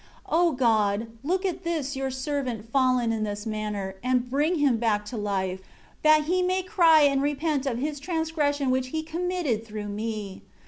6 O God, look at this Your servant fallen in this manner, and bring him back to life, that he may cry and repent of his transgression which he committed through me.